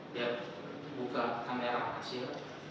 dia buka kamera kasir